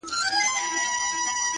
حميد الله جان تبسم مروت